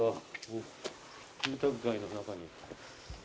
住宅街の中に。